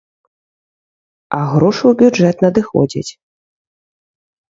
А грошы ў бюджэт надыходзяць.